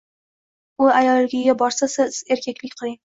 U ayolligiga borsa, siz erkaklik qiling.